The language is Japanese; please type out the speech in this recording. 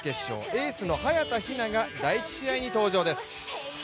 エースの早田ひなが第１試合に登場です。